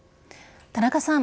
田中さん